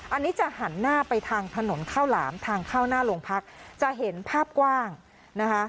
อันนี้จะหันหน้าไปทางถนนข้าวหลามทางเข้าหน้าโรงพักจะเห็นภาพกว้างนะคะ